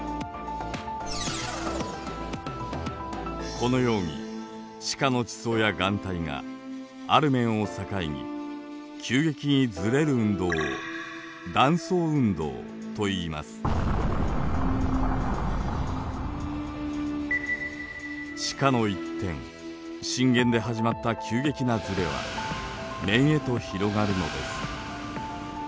このように地下の地層や岩体がある面を境に急激にずれる運動を地下の一点震源で始まった急激なずれは面へと広がるのです。